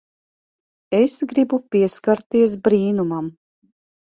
Es gribu pieskarties brīnumam.